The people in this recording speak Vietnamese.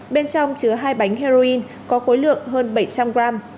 bên trong chứa hai bánh heroin có khối lượng hơn bảy trăm linh gram